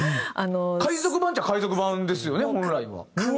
海賊版っちゃ海賊版ですよね本来は。